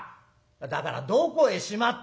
「だからどこへしまったんだ」。